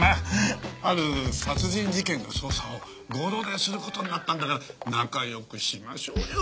ある殺人事件の捜査を合同でする事になったんだから仲良くしましょうよ。